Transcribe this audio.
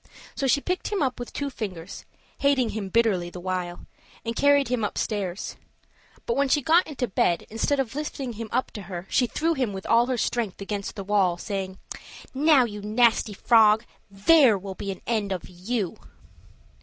So she picked him up with two fingers, hating him bitterly the while, and carried him upstairs: but when she got into bed, instead of lifting him up to her, she threw him with all her strength against the wall, saying, "Now you nasty frog, there will be an end of you."